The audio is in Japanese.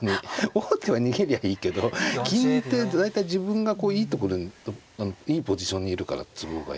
王手は逃げりゃいいけど金って大体自分がいいところにいいポジションにいるから都合がいい。